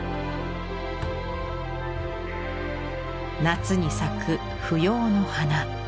夏に咲く芙蓉の花。